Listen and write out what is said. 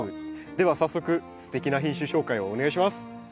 では早速すてきな品種紹介をお願いします。